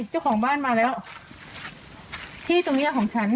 เจ้าของบ้านมาแล้วที่ตรงเนี้ยของฉัน